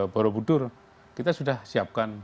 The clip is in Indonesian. borobudur kita sudah siapkan